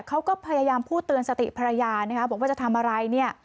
เขาก็พยายามพูดเตือนสติภรรยานะคะบอกว่าจะทำอะไรเนี่ย